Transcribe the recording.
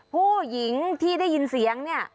ผู้หญิงที่ได้ยินเสียงเนี่ย